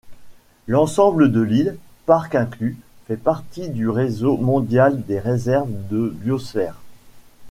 L'ensemble de l'île, parc inclus, fait partie du Réseau mondial des réserves de biosphère.